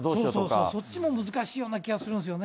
そうそう、そっちも難しいような気がするんですよね。